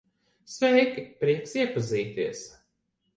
Sveiki, prieks iepazīties.